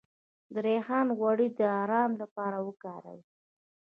د ریحان غوړي د ارام لپاره وکاروئ